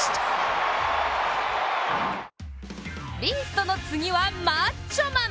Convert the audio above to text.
ビーストの次は、マッチョマン！